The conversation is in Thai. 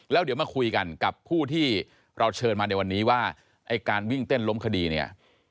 แล้วเดี๋ยวมาคุยกันกับผู้ที่เราเชิญมาในวันนี้ว่าไอ้การวิ่งเต้นล้มคดีเนี่ย